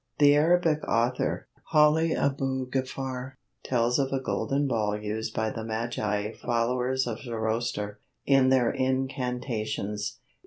The Arabic author, Haly Abou Gefar, tells of a golden ball used by "the Magi, followers of Zoroaster," in their incantations.